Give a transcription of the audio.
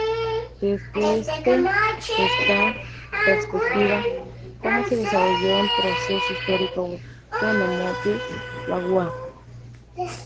Desde este esta perspectiva ¿cómo se desarrolló el proceso histórico autónomo de Bagua?